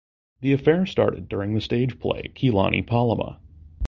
The affair started during the stage play "Kelani Palama".